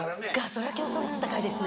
それは競争率高いですね。